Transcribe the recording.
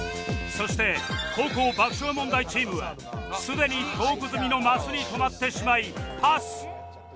そして後攻爆笑問題チームはすでにトーク済みのマスに止まってしまいパス